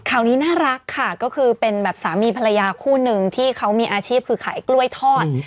ข่าวนี้น่ารักค่ะก็คือเป็นแบบสามีภรรยาคู่หนึ่งที่เขามีอาชีพคือขายกล้วยทอด